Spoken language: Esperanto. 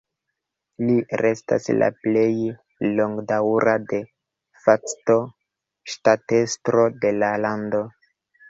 Li restas la plej longdaŭra "de facto" ŝtatestro de la lando.